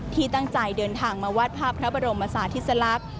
ที่ตั้งใจเดินทางมาวาดภาพพระบรมศาสติสลักษณ์